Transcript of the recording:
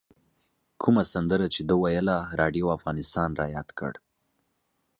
کومه سندره چې ده ویله راډیو افغانستان رایاد کړ.